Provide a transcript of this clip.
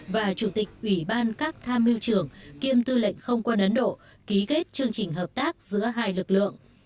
và chủ tịch ủy ban các tham hiệu trưởng kiêm tư lệnh không quân ấn độ ký kết chương trình hợp tác giữa hai lực lượng